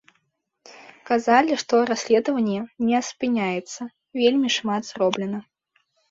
Казалі, што расследаванне не спыняецца, вельмі шмат зроблена.